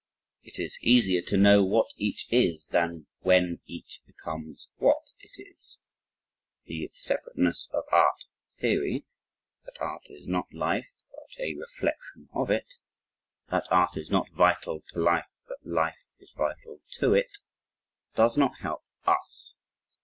It is easier to know what each is than when each becomes what it is. The "Separateness of Art" theory that art is not life but a reflection of it "that art is not vital to life but that life is vital to it," does not help us.